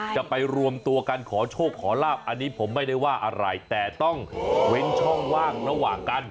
จะไปรวมตัวกันขอโชคขอลาบอันนี้ผมไม่ได้ว่าอะไรแต่ต้องเว้นช่องว่างระหว่างกัน